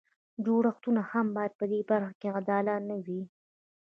جوړښتونه هم باید په دې برخه کې عادلانه وي.